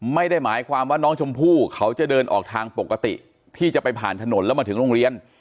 ไม่ได้หมายความว่าน้องชมพู่เขาจะเดินออกทางปกติที่จะไปผ่านถนนแล้วมาถึงโรงเรียน